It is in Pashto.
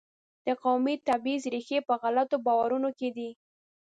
د قومي تبعیض ریښې په غلطو باورونو کې دي.